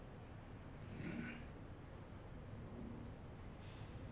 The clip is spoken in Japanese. うん。